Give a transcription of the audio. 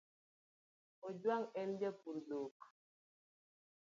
Ojwang en japur dhok